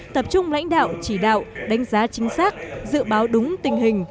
tập trung lãnh đạo chỉ đạo đánh giá chính xác dự báo đúng tình hình